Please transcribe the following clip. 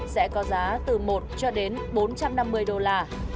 sẽ có giá từ một cho đến bốn trăm năm mươi đô la